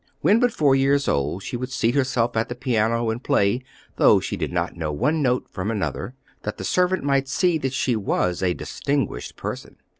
When but four years old, she would seat herself at the piano and play, though she did not know one note from another, that the servant might see that she was a distinguished person!